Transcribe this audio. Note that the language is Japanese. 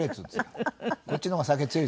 こっちの方が酒強いですから。